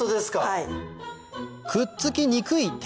はい。